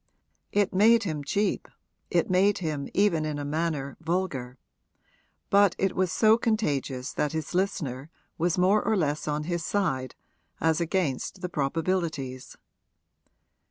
It made him cheap, it made him even in a manner vulgar; but it was so contagious that his listener was more or less on his side as against the probabilities.